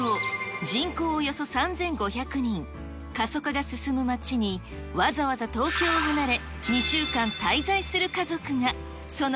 人口およそ３５００人、過疎化が進む町に、わざわざ東京を離れ、２週間滞在する家族が。